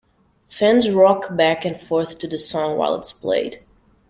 Fans rock back and forth to the song while it's played.